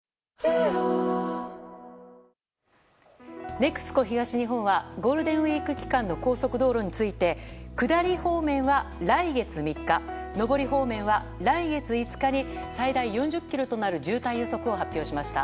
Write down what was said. ＮＥＸＣＯ東日本はゴールデンウィーク期間の高速道路について下り方面は来月３日上り方面は来月５日に最大４０ｋｍとなる渋滞予測を発表しました。